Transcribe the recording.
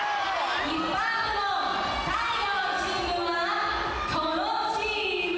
一般部門最後のチームはこのチーム！